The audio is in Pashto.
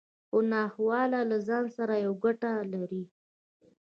هره ناخواله له ځان سره يوه ګټه لري.